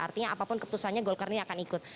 artinya apapun keputusannya golkar ini akan ikut